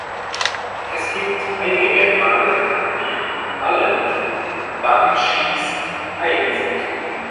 Es gibt einige Merkmale, die allen Banshees eigen sind.